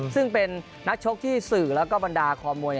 ซึ่งเป็นนักชกที่สื่อแล้วก็บรรดาคอมวย